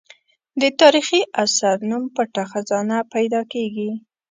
د تاریخي اثر نوم پټه خزانه پیدا کېږي.